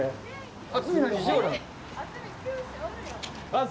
あっ！